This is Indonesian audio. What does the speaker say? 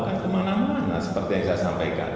kan kemana mana seperti yang saya sampaikan